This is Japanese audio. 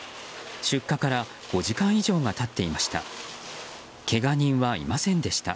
出火から５時間以上が経っていました。